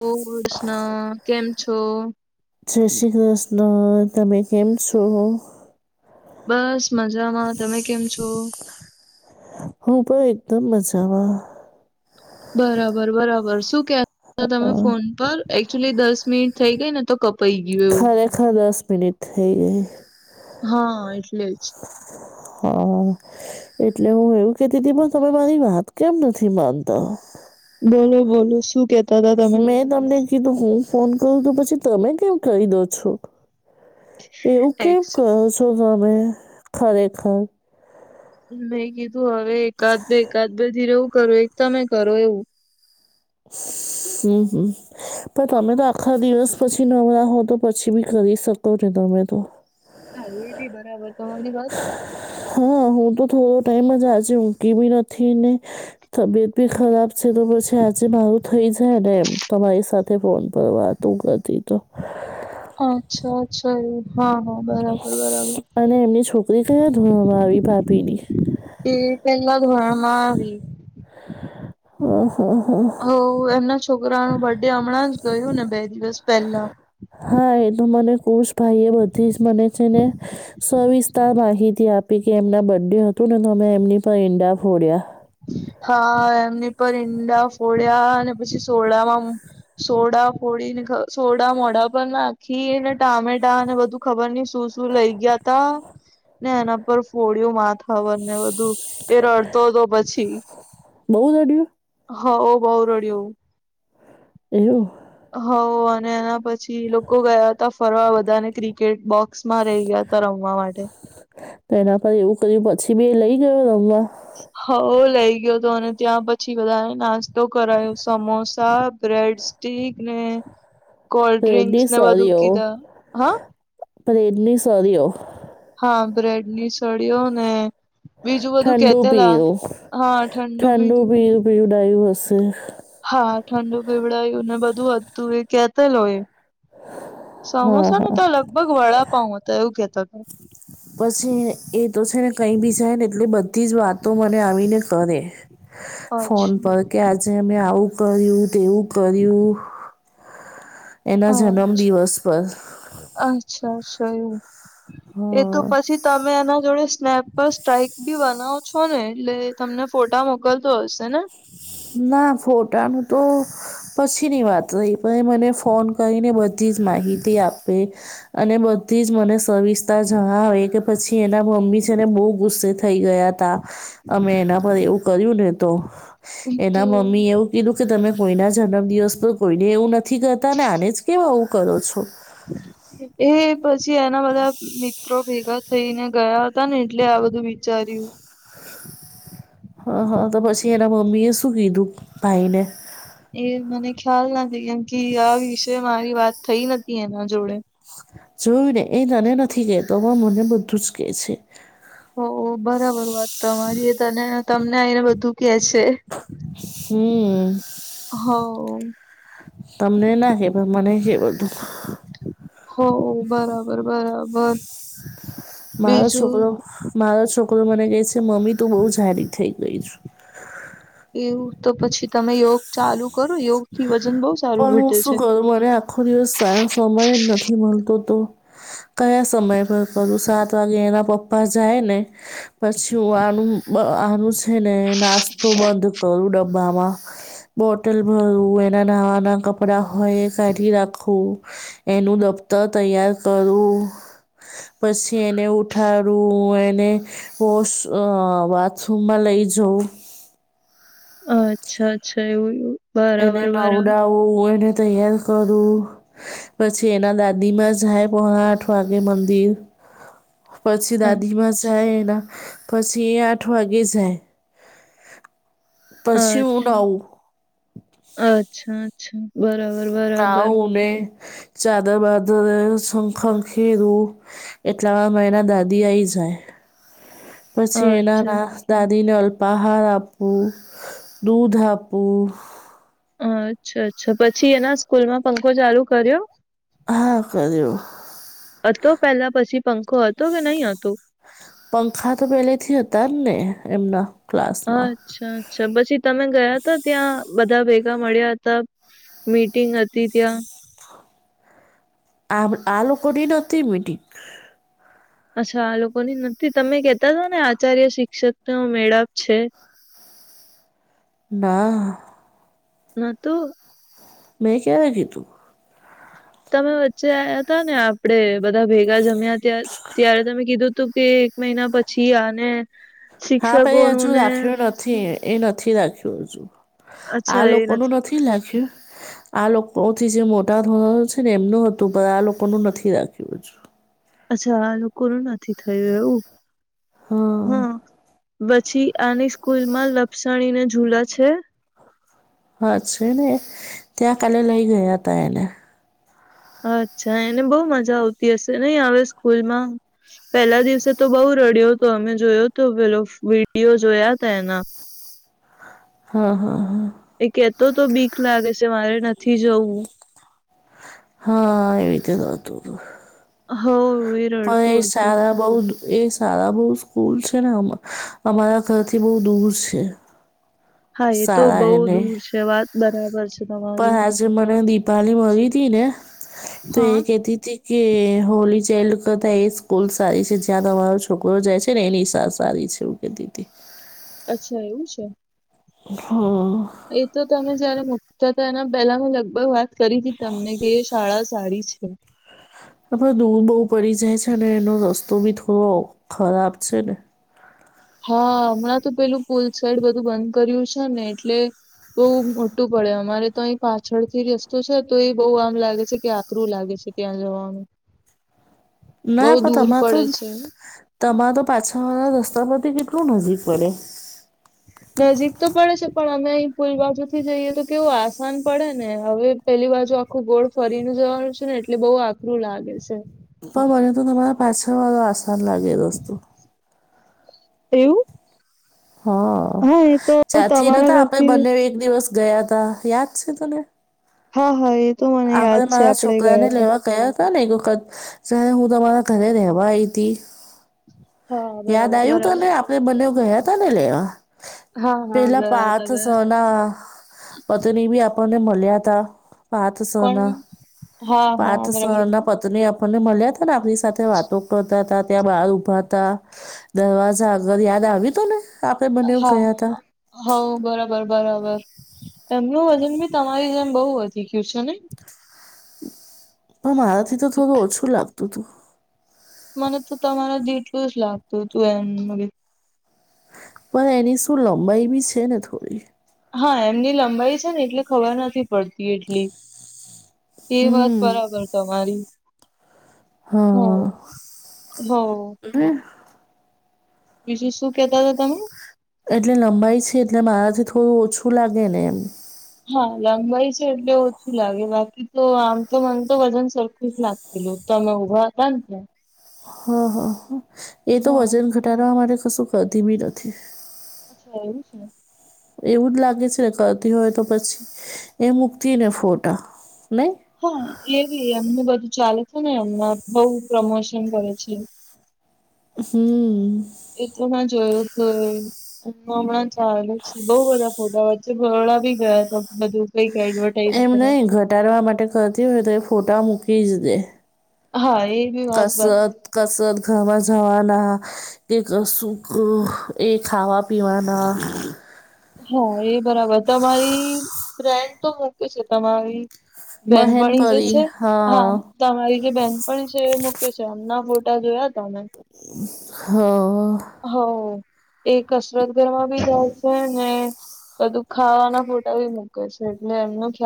ઓ [unintelligible] કેમ છો? જશ્રી કૃષ્ણ તમે કેમ છો? બસ મજામાં, તમે કેમ છો? હું પણ એકદમ મજામાં. બરાબર, બરાબર શું કે તો અ, તમે ફોન પર એકચુલી દસ મિનિટ થઈ ગઈ ને તો કપઈ ગયું એવું. ખરેખર દસ મિનિટ થઈ ગઈ. હા એટલે જ. હા એટલે હું એવું કેતી તી તમે મારી વાત કેમ નથી માનતા. બોલો બોલો શું કેત મેં તમને કીધું હું ફોન કરું તો પછી તમે કેમ કરી દો છો. એવું કેમ એક્સ કરો છો તમે ખરેખર. મે કીધું હવે એકાદ બે એકાદ બે ધીરે હું કરું એક તમે કરો એવું. હમમ હમમ પણ તમે તો આખા દિવસ પછી નવરા હો તો પછી બી કરી શકો ને તમે તો. હા એ બી બરાબર તમારી વાત. હા હું તો થોડો ટાઈમ જ આજે ઊંઘી બી નથી ને તબિયત બી ખરાબ છે તો પછી આજે મારું થઈ જાય ને એમ. તમારી સાથે ફોન પર વાતો કરતી તો. અચ્છા, અચ્છા એ હા, હા બરાબર, બરાબર. અને એમની છોકરી કયા ધોરણમાં આવી ભાભીની? એ પેલા ધોરણમાં આવી. હા હા હા. હોવ એમના છોકરાનો બર્ડે હમણાં જ ગયું ને બે દિવસ પહેલા હા એ તો મને કુશ ભાઈ એ બધી જ મને છે ને સવિસ્તાર માહિતી આપી કે એમના બર્ડે હતું ને તો અમે એમની પર ઈંડા ફોડ્યા. હા એમની પર ઈંડા ફોડ્યા અને પછી સોડામાં સોડા ફોડીને ખ સોડા મોઢા પર નાખીને ટામેટાને બધું ખબર ની શું શું લઇ ગયા તા ને એના પર ફોડયુ માથા પર ને બધું. એ રડતો હતો પછી બહુ રડ્યું હોવ બો રડ્યો. એવું. હોવ અને એના પછી એ લોકો ગયા હતા ફરવા બધાને ક્રિકેટ બોક્સ બોક્સ માં લય ગયા તા રમવા માટે. તો એના પર એવું કર્યું પછી બી લઈ ગયો રમવા. હોવ લઇ ગયો તો અને ત્યાં પછી બધાને નાસ્તો કરાયો સમોસા, બ્રેડસ સ્ટીક ને કોલ્ડ ડ્રિંક્સ બ્રેડની ને બધું કીધા હા. બ્રેડ ની સરીઓ હા બ્રેડ ની સળીઓ ને બીજું બધું ઠંડુ કેતેલા પીયું હા ઠંડુ પીધું. ડાયું હશે. હા ઠંડુ પીવડાયું ને બધું હતું એ કેતો લોએ હા સમોસા ને હા તો લગભગ વડાપાઉ હતા એવું કેતો હતો. પસી એ તો છે ને કઈ બી જાય ને એટલે બધી જ વાતો મને આવીને કરે. હતા ફોન અચ્છા પર કે આજે મે આવું કર્યું, તેવું કર્યું. એના જન્મ અચ્છા દિવસ પર અચ્છા અચ્છા એવું એ તો હા પછી તમે તમે એના જોડે સ્નેપ પર સ્ટ્રાઈક બી બનાવો છો ને એટલે એ તમને ફોટા મોકલતો હશે ને. ના ફોટાનું તો પછી ની વાત હોય પણ એ મને ફોન કરીને બધી જ માહિતી આપે. અને બધી જ મને સવિસ્તાર જણાવે કે પછી એના મમ્મી છે ને બો ગુસ્સે થઈ ગયા તા અમે એના પર એવું કર્યું ને તો તો એના મમ્મી એવું કીધું કે તમે કોઈના જન્મ દિવસ પર કોઈને એવું નથી કરતા ને આને જ કેમ એવું કરો છો. એ પછી એના બધા મિત્ર મિત્રો ભેગા થઈને ગયા તા ને એટલે આ બધું વિચાર્યું. હા હા તો પછી એના મમ્મી એ શું કીધું ભાઈને. એ મને ખ્યાલ નથી કેમ કે આ વિસે મારી વાત થઈ નથી એના જોડે. જોયું ને એ તને નથી કેતો પણ મને બધું જ કેહ છે. હો બરાબર વાત તમારી એ તને તમને આવી ને બધું કેય છે. હું. હવો. તમને ના હે પણ મને કે બઘું. હો બરાબર બરાબર. મારો બીજું છોકરો મારો છોકરો મને કહે છે મમ્મી તું બહુ જાડી થઈ ગઈ છુ. એવું તો પછી તમે યોગ ચાલુ કરો યોગ થી વજન બહુ. સારું પણ હું ઘટે શું છે. કરું મને આખો દિવસ સ સમય નથી મળતો તો. કયા સમય પર કરું સાત વાગે એના પપ્પા જાય ને. પછી હું આનું આનું છે ને નાસ્તો બંધ કરું ડબ્બામાં બોટલ ભરવું એના નાવા ના કપડા હોય એ કાઢી રાખવું. એનું દફતર તૈયાર કરું. પછી એને ઉઠાડું એને. વોશ અ બાથરૂમમાં લઈ જ‌ઉ. અચ્છા અચ્છા એવું એવું. એને નવડાવું એને તૈયાર કરવું. પછી એના દાદી માં જાય પોડા આઠ વાગે મંદિર. પછી દાદીમાં જાય એના પછી એ આઠ વાગે જાય. પછી હું અચ્છા નાવું. અચ્છા અચ્છા બરાબર. બરાબર નાઉને ચાદર બાદર સ ખખેરુ. એટલામાં મા એના દાદી આઈ જાય. [inaudible] [unintelligible] પછી એ ના અચ્છા દાદીને અલ્પાહાર આપવું દૂધ આપવું. અચ્છા અચ્છા પછી એના સ્કૂલમાં પંખો ચાલુ કર્યો. હા કર્યું. હતો પેલા પછી પંખો હતો કે નહી હતો. પંખા તો પેલેથી હતા ને એમના. ક્લાસમાં. અચ્છા અચ્છા પછી તમે ગયા ત ત્યાં. બધા ભેગા મળ્યા હતા મીટિંગ હતી ત્યાં. આ આ લોકો ની નોતી મિટિંગ. અચ્છા આ લોકો ની નથી તમે કેતા હતા ને આચાર્ય શિક્ષક ન મેળાપ છે. ના. ના તો. મે ક્યારેય કિધુ. તમે વચ્ચે આયા હતા ને આપડે બધા ભેગા જમ્યા ત્યાં. ત્યારે તમે કીધું હતું કે એક મહિના પછી આને શિક્ષકો નુંને. છે એ નથી રાખ્યું હજુ આ અચ્છા એ લોકોનું નથી રાખ્યું. આ લોકોથી જે મોટા ઘોરળ છે ને એમનું હતું પણ આ લોકોનું નથી રાખ્યું હજું. અચ્છા આ લોકો નુ નથી થયું એવું હા હા‌. પછી આની સ્કૂલ માં લપસણી ને જુલા છે. હા છે ને ત્યાં કાલે લઈ ગયા હતા એને. અચ્છા એને બહુ મજા આવતી હશે નહી હવે સ્કૂલમાં. પેલા દિવસે તો બઉ રડ્યો હતો અમે જોયો તો પેલો વિડીયો જોયા તા એના. હા હા હા. એ કેતો તો બીક લાગે છે મારે નથી જવું. હા એવી રીતે હતું. હો. પણ સારા. બ‌ઉ એ સારા બહુ સ્કૂલ છે ને હમ અમારા ઘરથી બહુ દૂર છે. હા એ તો સારા બહુ એને દૂર છે વાત બરાબર છે. તમારી પણ આજે મને દિપાળી મળી તી ને તો એ હા કેતી તી. કે હોલી ચાઇલ્ડ કરતા એ સ્કૂલ સારી છે જ્યાં તમારો છોકરો જાય છે ને એની સા સારી છે. [unintelligible] અચ્છા એવું છે. હમ્મ. એ તો તમે જયારે મુકતા હતા એના પહેલા મેં લગભગ વાત કરી હતી તમને કે શાળા સારી છે. આપડે દૂર બહુ પડી જાય છે અને એનો રસ્તો બી થોડો ખરાબ છે ને. હા હમણાં તો પેલું પુલ સાઈડ બધું બંધ કર્યું છે ને એટલે. બઉુ મોટું પડે અમારે તો અહીં પાછળથી રસ્તો છે તો એ બહુ આમ લાગે છે કે આકરું લાગે છે. ત્યાં જવાનું. ના બહુ પણ દૂર તમારે તો પડે છે તમારે તો પાછળ વાળા રસ્તા પરથી કેટલું નજીક પડે. નજીક તો પડે છે પણ અમે અહી પુલ બાજુથી જઈએ તો કેવું આસાન પડે ને હવે. પેલી બાજુ આખું ગોળ ફરીને જવાનું છે ને એટલે બહુ આકરું લાગે છે. પણ મને તો તમારા પાછળ વાળો આસાન લાગે રસ્તો. એવું. હ હા એ તો જ્યાંથી તમારા નતા આપડે ઘરથી બંનેવ એક દિવસ. ગયાતા યાદ છે તને. હા હા એ તો મને યાદ છે આપણે ગયાતા. હ ને એક વખત જ્યારે હું તમારા ઘરે રેવા આઈતિ. હા યાદ બરાબર આયું તને બરાબર આપડે બનેવ ગયાતા ને લેવા. હા હા પેલા ગયા હતા પાર્થ ગયા સર ના હતા પત્ની બી આપણને મળ્યાતા. પાર્થ સર કોણ ના હા હા પાર્થ સર બરાબર ના પત. પત્ની આપણને મળ્યા હતા ને આપણી સાથે વાતો કરતા હતા ત્યાં બાર ઊભા. હતા દરવાજા આગર યાદ આવ્યું તને. હા હ. હવ બરાબર બરાબર એમનું વજન બી તમારી જેમ બહ વધી ગયું છે ને. પણ મારાથી તો થોડું ઓછું લાગતું હતું. મને તો તમારા જેટલું જ લાગતું હતું એમ. પણ એની શું લંબાઈ બી છે ને થોડી. હા એમની લંબાઈ છે ને એટલે ખબર નથી. પડતી એટલી એ વાત હમ બરાબર તમારી. હો હા હો અને. બીજું શું કેતા હતા તમે. એટલે લંબાઈ છે એટલે મારાથી થોડું ઓછું લાગે ને એમ. હા લંબાઈ છે એટલે ઓછું લાગે બાકી તો આમ તો મન તો વજન સરખું જ લાગ. તમે ઉભા હતા ને ત્યાં. હા હા એ તો હા વજન ઘટાડવા મારે કશું કરતી બી નથી. અચ્છા એવું છે. એવું જ લાગે છે ને કરતી હોય તો પછી એ મૂકતી ને ફોટા નહી. હા એવી એમને બધું ચાલે છે ને એમને બહુ પ્રમોશન કરે છે. હમ્મ. એ તો મેં જોયું તું એ. હમણાં ચાલુ જ છે બહુ બધા ફોટા વચ્ચે બરોડા ભી ગયા હતા બધું. કઈક એડવ. એમ નહિ ઘટાડવા માટે કરતી હોય તો એ ફોટા મૂકી જ દે. હા એ બી વાત બરાબર કસત-કસત ઘવા જાવાના કેક શુંખ એ ખાવા પીવાના હ એ બરાબર તમારી ફ્રેન્ડ તો મૂકે છે તમારી. બહેન બેનપણી જે પરી છે હા. તમારી જે બેંનપણી છે એ મૂકે છે એમના ફોટા જોયાતા મેં. હા. હવ એ કસરત કરવા બી જાય છે ને. બધું ખાવાના ફોટા ભી મૂકે છે, એટલે એમનું જ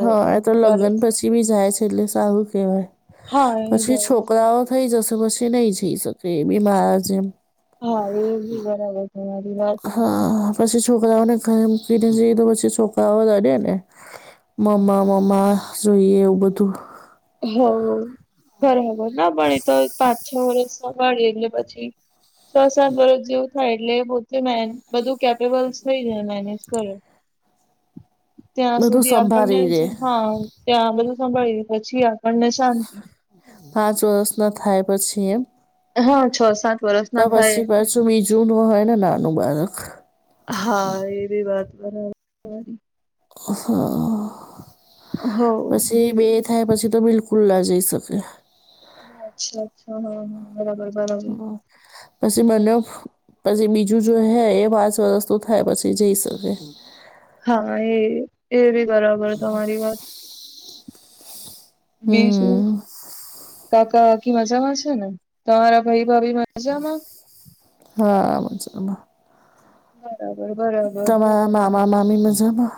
હા એ તો લગન છે પછી બી જાય છે, એટલે સારું કહેવાય. હા એ પછી જાય છે. છોકરાઓ થઈ જશો, પછી નહીં જઈ શકે એ બીમાર જેમ હા, એ બી બરાબર તમારી વાત. હા. પછી છોકરાઓને ઘરે મૂકીને જઈએ તો પછી છોકરાઓ રડે ને. મમ્મા-મમ્મા જોઈએ એવું બધું. હા, બરાબર. ના પણ ઈ તો પાંચ છ વરસ સંભાળીએ એટલે પછી સ સાત વરસ જેવું થાય એટલે પોતે મે બધું કેપેબલ થઈ જાય, એ મેનેજ કરે. ત્યાં બધું સુધી આપણને સંભાળી લે જ, હા, ત્યાં બધું સંભાળી, પછી આપણને શાંતિ. પાંચ વરસ નો થાય પછી એમ? હા, છ સાત વર્ષ ના થાય તો બીજું નો હોય ને નાનું બાળક. હા એ બી વાત બરાબર. હા, હો પછી બે થાય, પછી તો બિલકુલ ના જઈ શકે. હા, અચ્છા-અચ્છા, હા, હા બરાબર-બરાબર. પસી બંનેવ પછી બીજું જો હે એ પાંચ વરસનું થાય પછી જઈ શકે. હા, એ-એ બી બરાબર તમારી વાત. બીજું હમ કાકા કાકી મજામાં છે ને? તમારા ભઈ ભાભી મજામાં? હા મજામાં. બરાબર-બરાબર. મામા-મામી મજામાં?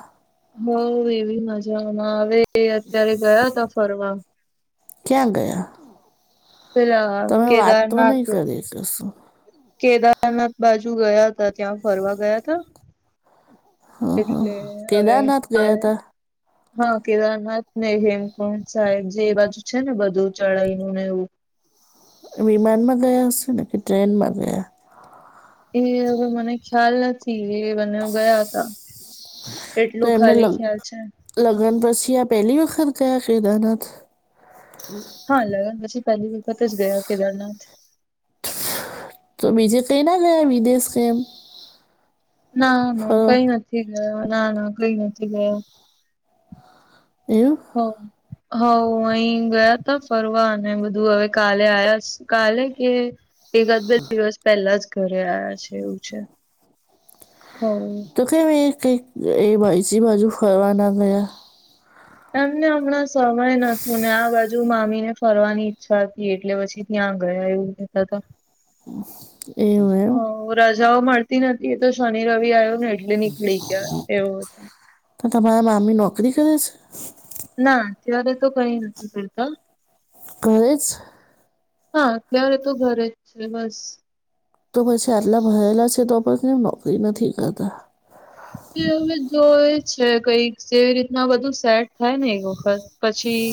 હોવ એ બી મજામાં. હવે એ અત્યારે ગયા તા ફરવા. ક્યાં ગયા? પેલા તમે વાત તો કેદારનાથ નહીં કરી કશું. કેદારનાથ બાજુ ગયા તા, ત્યાં ફરવા ગયા તા. એટલે હવે કેદારનાથ ગયા કાલે હતા હા, કેદારનાથ ને હેમકુંડ સાઈડ, જે એ બાજુ છે ને બધું ચઢાઈ નું ને એવું. વિમાનમાં ગયા હશે, ને કે ટ્રેનમાં ગયા? ઈ હવે મને ખ્યાલ નથી, એ મને ગયા હતા. તો એટલું એમને ખાલી લગ ખ્યાલ છે લગન પછી આ પેલી વખત ગયા કેદારનાથ? હા, લગન પછી પહેલી વખત જ ગયા કેદારનાથ. તો બીજે કઈ ના ગયા વિદેશ કે એમ? ના-ના ફરવા કંઈ નથી ગય, ના-ના કંઈ નથી ગયા. એવું? હો. હોઉં, અહીં ગયા તા ફરવા, અને બધું હવે કાલે આયાસ, કાલે કે એકાદ બે દિવસ પહેલા જ ઘરે આયા છે એવું છે, હોવ. તો કેમ એક એ [unintelligible] બાજુ ફરવા ના ગયા? એમને હમણાં સમય નતું, ને આ બાજુ મામી ને ફરવાની ઈચ્છા હતી, એટલે પછી ત્યાં ગયા એવું કેતા તા. એવું એમ. રજાઓ મળતી નથી, એ તો શનિ રવિ આયો ને એટલે નીકળી ગયા એવો હતું. તો તમારા મામી નોકરી કરે છે? ના, અત્યારે તો કંઈ નથી કરતા હો. કરજ [unintelligible] હા અત્યારે તો ઘરે જ છે. બસ તો પછી આટલા ભરેલા છે તો પણ કેમ નોકરી નથી કરતા હવે જોય છે કઈક જેવી રીતના બધું સેટ થાય ને એક વખત પછી,